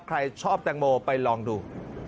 ใครชอบแตงโมไปลองดู